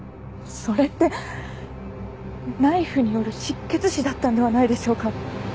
それってナイフによる失血死だったんではないでしょうか？